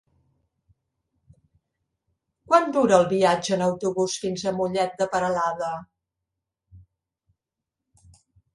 Quant dura el viatge en autobús fins a Mollet de Peralada?